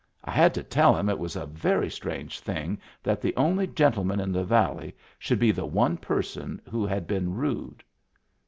I had to tell him it was a very strange thing that the only gentleman in the valley should be the one person who had been rude."